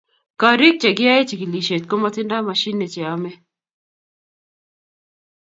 kori che kiyaen chikilishet komatindo mashine che yame